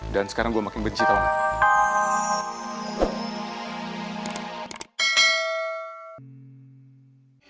dan sekarang gue makin benci tau gak